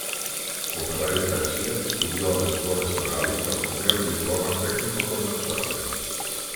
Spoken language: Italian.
Operaio tessile, studiò alle scuole serali per ottenere il diploma tecnico commerciale.